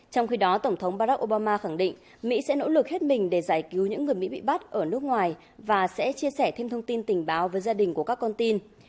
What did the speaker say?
trong khi đó tổng thống barack obama khẳng định mỹ sẽ nỗ lực hết mình để giải cứu những người mỹ bị bắt ở nước ngoài và sẽ chia sẻ thêm thông tin tình báo với gia đình của các con tin